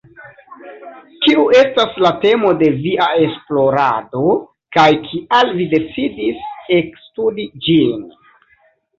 Kiu estas la temo de via esplorado kaj kial vi decidis ekstudi ĝin?